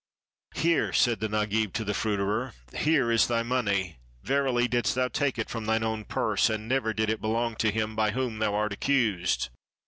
"Here," said the Nagib to the fruiterer, "here is thy money; verily didst thou take it from thine own purse, and never did it belong to him by whom thou art accused."